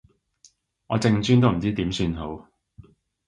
我淨專都唔知點算好